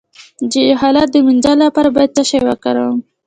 د جهالت د مینځلو لپاره باید څه شی وکاروم؟